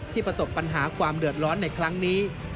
ประสบปัญหาความเดือดร้อนในครั้งนี้